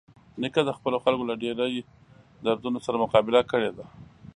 نیکه د خپلو خلکو له ډېرۍ دردونو سره مقابله کړې ده.